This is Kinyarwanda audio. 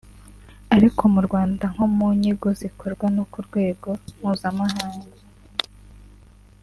Ariko mu Rwanda nko mu nyigo zikorwa no ku rwego mpuzamahanga